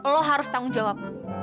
lo harus tanggung jawab